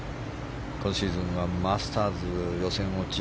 今シーズンはマスターズ予選落ち。